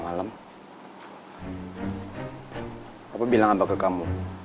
apa berapa udah di sini sih hidup si nabi